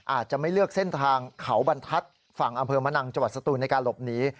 อาจจะไม่เลือกเส้นทางเขาบรรทัศน์ฝั่งอำเภอมะนังจังหวัดสตูนในการหลบหนี